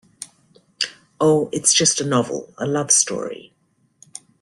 Oh, it's just a novel, a love story.